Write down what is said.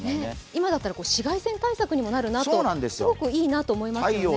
今だったら紫外線対策にもなるなとすごくいいなと思いますね。